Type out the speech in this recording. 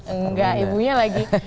enggak ibunya lagi